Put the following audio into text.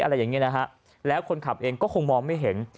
อะไรอย่างนี้นะฮะแล้วคนขับเองก็คงมองไม่เห็น